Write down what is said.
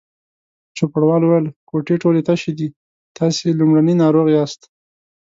چوپړوال وویل: کوټې ټولې تشې دي، تاسې لومړنی ناروغ یاست.